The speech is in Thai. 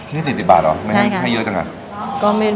นี่๔๐บาทเหรอไม่ให้เยอะจังงั้น